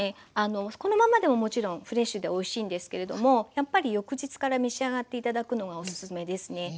このままでももちろんフレッシュでおいしいんですけれどもやっぱり翌日から召し上がって頂くのがおすすめですね。